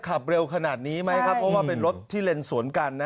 ขับเร็วขนาดนี้ไหมครับเพราะว่าเป็นรถที่เลนสวนกัน